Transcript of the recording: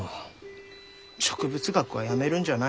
植物学はやめるんじゃない？